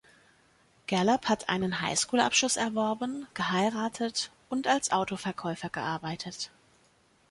Galab hat einen Highschool-Abschluss erworben, geheiratet und als Autoverkäufer gearbeitet.